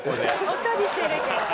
おっとりしてるけど。